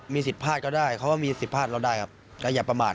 มีศิษย์ผ้าดได้ก็อย่าประมาท